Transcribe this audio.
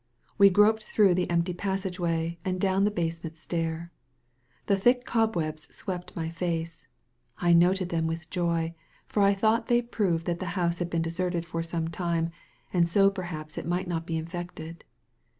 We groped through the empty passageway, and down the basement stair. The thick cobwebs swept my face. I noted them with Joy, for I thought they proved that the house had been deserted for some time, and so perhaps it might not be infected.